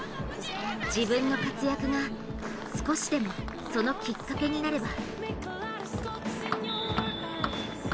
自分の活躍が少しでもそのきっかけになれば。